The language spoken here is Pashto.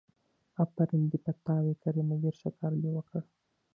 آفرين دې په تا وي کريمه ډېر ښه کار دې وکړ.